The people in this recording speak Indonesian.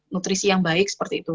nutrisi yang baik seperti itu